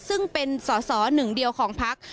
ซึ่งเป็นสอสอหนึ่งเดียวของพัก